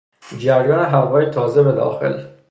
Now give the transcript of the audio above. جریان هوای تازه به داخل